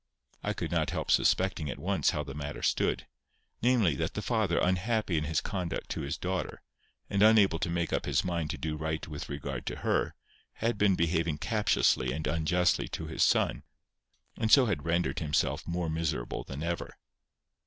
I could not help suspecting at once how the matter stood—namely, that the father, unhappy in his conduct to his daughter, and unable to make up his mind to do right with regard to her, had been behaving captiously and unjustly to his son, and so had rendered himself more miserable than ever.